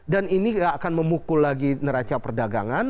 dan ini akan memukul lagi neraca perdagangan